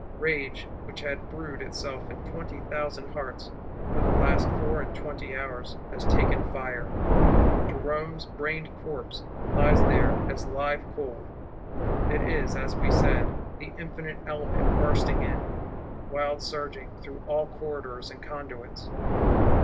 Rage, which had brewed itself in twenty thousand hearts, for the last four and twenty hours, has taken fire: Jerome's brained corpse lies there as live coal. It is, as we said, the infinite Element bursting in: wild surging through all corridors and conduits.